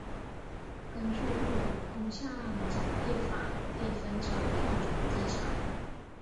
根据日本空港整备法被分成第二种机场。